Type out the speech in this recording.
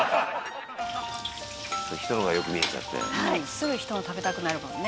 「すぐ人の食べたくなるもんね」